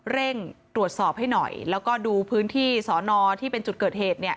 เร่งตรวจสอบให้หน่อยแล้วก็ดูพื้นที่สอนอที่เป็นจุดเกิดเหตุเนี่ย